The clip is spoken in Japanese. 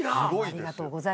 ありがとうございます。